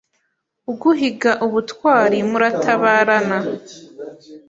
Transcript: Uguhiga ubutwari, muratabarana; -